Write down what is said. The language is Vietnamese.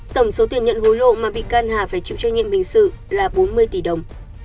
tổng số tiền nhận hối lộ mà bị can hà phải chịu trách nhiệm hình sự là bốn mươi tỷ đồng